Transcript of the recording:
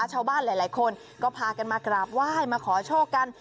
ชาวบ้านหลายคนก็พากันมากราบไหว้มาขอโชคกัน